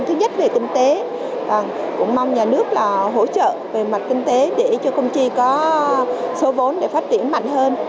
thứ nhất về kinh tế cũng mong nhà nước là hỗ trợ về mặt kinh tế để cho công ty có số vốn để phát triển mạnh hơn